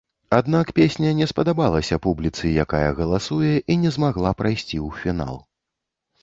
Аднак песня не спадабалася публіцы, якая галасуе, і не змагла прайсці ў фінал.